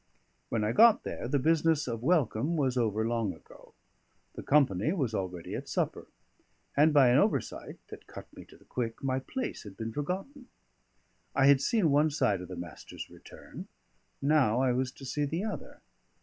When I got there, the business of welcome was over long ago; the company was already at supper; and, by an oversight that cut me to the quick, my place had been forgotten. I had seen one side of the Master's return; now I was to see the other.